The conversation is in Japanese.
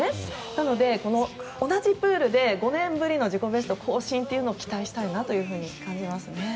なので同じプールで５年ぶりの自己ベストを更新っていうのを期待したいと感じますね。